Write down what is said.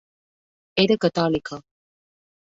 Era catòlica.